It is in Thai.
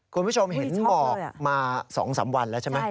คุณผู้ชมเห็นหมอกมา๒๓วันแล้วใช่ไหม